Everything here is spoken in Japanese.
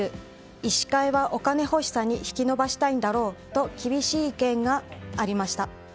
医師会はお金欲しさに引き延ばしたいんだろうと厳しい意見がありました。